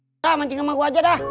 udah mancing sama gue aja dah